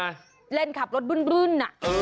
เป็นเล่นขับรถบื้น